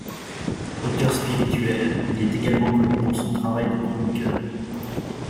Auteur spirituel, il est également connu pour son travail de chroniqueur.